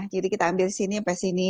jadi kita ambil sini sampai sini